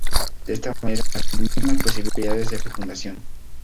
De esta manera, se incrementan las posibilidades de fecundación.